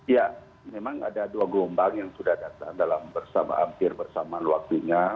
ya memang ada dua gelombang yang sudah datang bersama hampir bersamaan waktunya